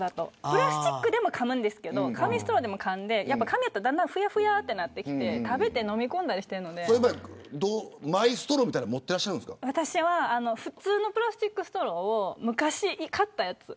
プラスチックでもかむんですけど紙ストローでもかんで紙ストローやったらふやふやってなってきて食べてその場合、マイストロー私は普通のプラスチックストローを昔、買ったやつ。